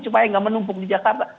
supaya nggak menumpuk di jakarta